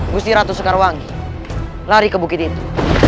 gusti ratu sekarwangi lari ke bukit itu